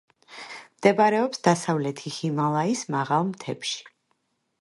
მდებარეობს დასავლეთი ჰიმალაის მაღალ მთებში.